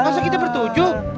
masa kita bertujuh